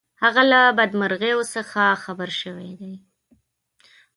هغه له بدمرغیو څخه خبر شوی دی.